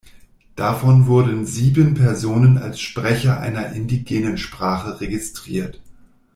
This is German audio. Davon wurden sieben Personen als Sprecher einer indigenen Sprache registriert.